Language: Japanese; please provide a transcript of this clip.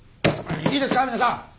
いいですか皆さん